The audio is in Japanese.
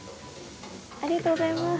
ありがとうございます。